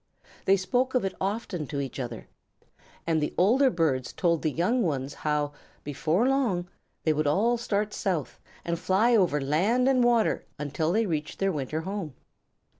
They spoke of it often to each other, and the older birds told the young ones how, before long, they would all start South, and fly over land and water until they reached their winter home.